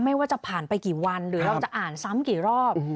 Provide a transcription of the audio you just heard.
ว่าจะผ่านไปกี่วันหรือเราจะอ่านซ้ำกี่รอบ